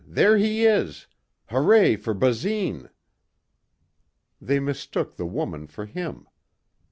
There he is. Hooray for Basine!" They mistook the woman for him.